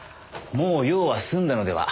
もう用は済んだのでは？